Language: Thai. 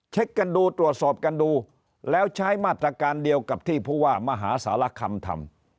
เช็คกันดูตรวจสอบกันดูแล้วใช้มาตรการเดียวกับที่ผู้ว่ามหาสารคำทำ